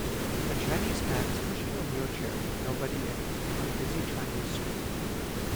A Chinese man is pushing a wheelchair with nobody in it on a busy Chinese street.